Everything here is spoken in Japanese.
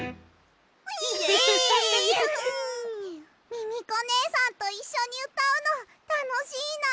ミミコねえさんといっしょにうたうのたのしいな。